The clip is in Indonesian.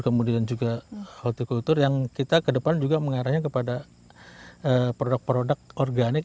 kemudian juga horticultur yang kita kedepan juga mengarahnya kepada produk produk organik